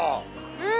うん。